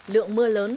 lượng mưa lớn